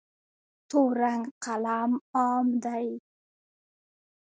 تور رنګ قلم عام دی.